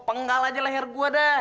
penggal aja leher gua dah